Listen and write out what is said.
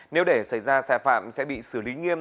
nếu để xảy ra sai phạm sẽ bị xử lý nghiêm